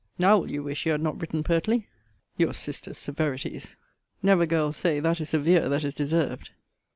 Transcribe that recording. Now will you wish you had not written pertly. Your sister's severities! Never, girl, say that is severe that is deserved.